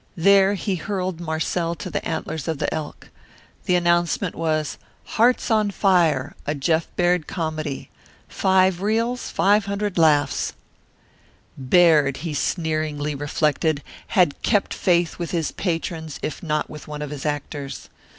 There he hurled Marcel to the antlers of the elk. The announcement was "Hearts on Fire! A Jeff Baird Comedy. Five Reels 500 Laughs." Baird, he sneeringly reflected, had kept faith with his patrons if not with one of his actors.